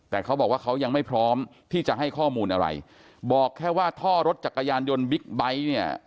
แต่เขาบอกว่าเขายังไม่พร้อมที่จะให้ข้อมูลอะไรบอกแค่ว่าท่อรถจักรยานยนต์บิ๊กไบท์เนี่ย